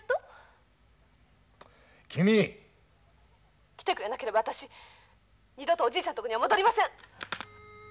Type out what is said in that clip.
☎来てくれなければ私二度とおじいちゃんのとこには戻りません！